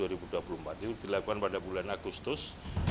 itu dilakukan pada bulan agustus